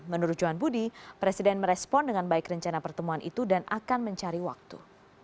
menurut johan budi presiden merespon dengan baik rencana pertemuan itu dan akan mencari waktu